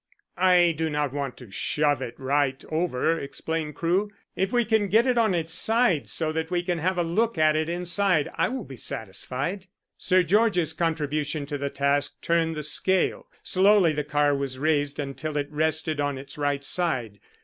"I do not want to shove it right over," explained Crewe. "If we can get it on its side so that I can have a look at it inside I will be satisfied." Sir George's contribution to the task turned the scale. Slowly the car was raised until it rested on its right side.